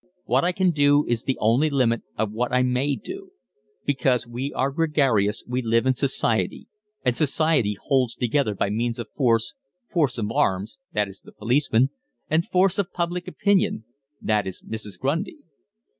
What I can do is the only limit of what I may do. Because we are gregarious we live in society, and society holds together by means of force, force of arms (that is the policeman) and force of public opinion (that is Mrs. Grundy).